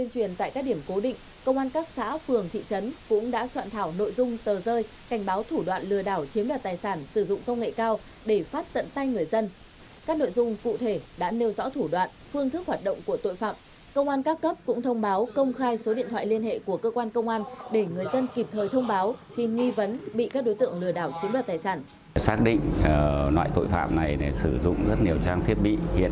giải pháp này cũng đã soạn thảo nội dung tờ rơi cảnh báo thủ đoạn lừa đảo chiếm đoạt tài sản sử dụng công nghệ cao để phát tận tay người dân các nội dung cụ thể đã nêu rõ thủ đoạn phương thức hoạt động của tội phạm công an các cấp cũng thông báo công khai số điện thoại liên hệ của cơ quan công an để người dân kịp thời thông báo khi nghi vấn bị các đối tượng lừa đảo chiếm đoạt tài sản